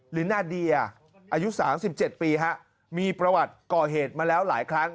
นาเดียอายุ๓๗ปีมีประวัติก่อเหตุมาแล้วหลายครั้ง